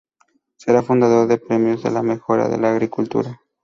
Será fundador de premios a la mejora de la agricultura.